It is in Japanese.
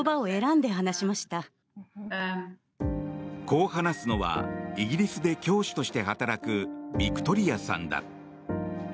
こう話すのはイギリスで教師として働くビクトリアさんだ。